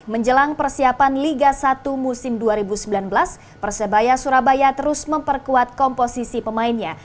menjelang persiapan liga satu musim dua ribu sembilan belas persebaya surabaya terus memperkuat komposisi pemainnya